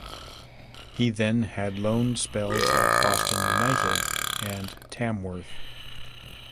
He then had loan spells at Boston United and Tamworth.